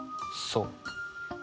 そう。